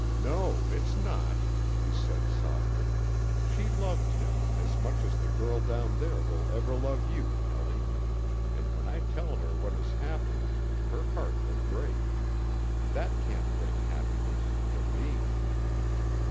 "No, it's not," he said, softly. "She loved him as much as the girl down there will ever love you, Pelly, and when I tell her what has happened her heart will break. That can't bring happiness for me